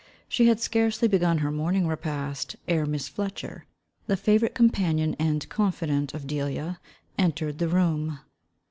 She had scarcely begun her morning repast, ere Miss Fletcher, the favourite companion and confidante of Delia, entered the room.